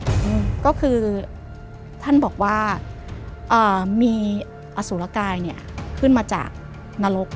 อืมก็คือท่านบอกว่าอ่ามีอสุรกายเนี้ยขึ้นมาจากนรก